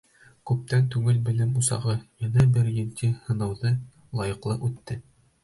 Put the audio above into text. Күптән түгел белем усағы йәнә бер етди һынауҙы лайыҡлы үтте.